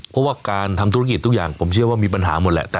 เพราะว่าการทำธุรกิจทุกอย่างผมเชื่อว่ามีปัญหาหมดแหละ